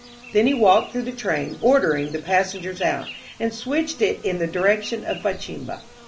Then he walked through the train, ordering the passengers out, and switched it in the direction of Bachimba.